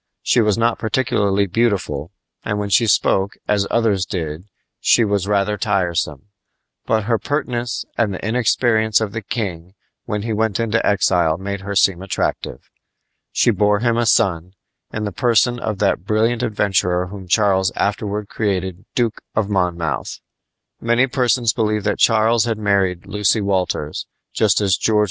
She was not particularly beautiful, and when she spoke as others did she was rather tiresome; but her pertness and the inexperience of the king when he went into exile made her seem attractive. She bore him a son, in the person of that brilliant adventurer whom Charles afterward created Duke of Monmouth. Many persons believe that Charles had married Lucy Walters, just as George IV.